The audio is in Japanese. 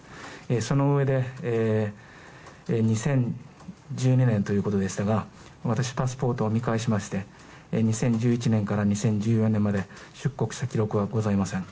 そのうえで２０１２年ということでしたが私、パスポートを見返しまして２０１１年から２０１２年まで出国した記録はございません。